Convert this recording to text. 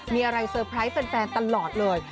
มีอะไรเซอร์ไพรส์แฟนตลอดเลย